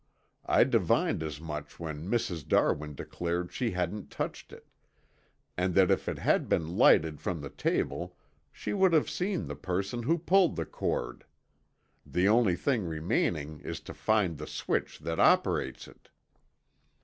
I divined as much when Mrs. Darwin declared she hadn't touched it, and that if it had been lighted from the table she would have seen the person who pulled the cord. The only thing remaining is to find the switch that operates it."